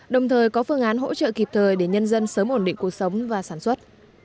đồng thời có phương án hỗ trợ kịp thời để nhân dân sớm ổn định cuộc sống và sản xuất